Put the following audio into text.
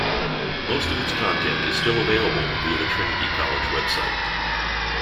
Most of its content is still available via the Trinity College website.